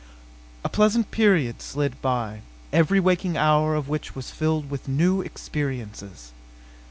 A pleasant period slid by, every waking hour of which was filled with new experiences.